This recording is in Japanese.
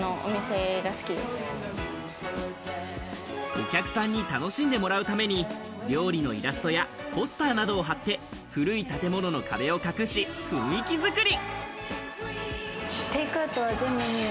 お客さんに楽しんでもらうために料理のイラストやポスターなどを貼って、古い建物の壁を隠し、雰囲気作り。